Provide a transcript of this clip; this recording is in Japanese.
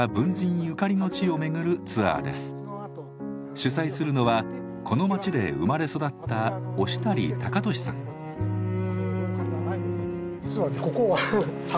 主催するのはこの町で生まれ育った実はね